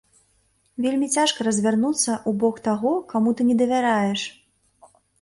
Вельмі цяжка развярнуцца ў бок таго, каму ты не давяраеш.